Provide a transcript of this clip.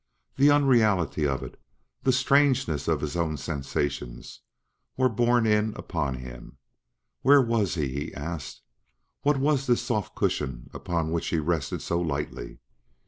The unreality of it the strangeness of his own sensations were borne in upon him. Where was he? he asked. What was this soft cushion upon which he rested so lightly?